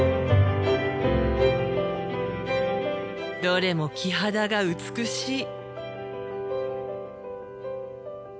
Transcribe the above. どれも木肌が美しい。